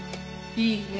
いいね。